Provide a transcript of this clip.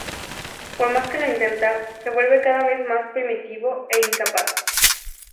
Por más que lo intenta, se vuelve cada vez más primitivo e incapaz.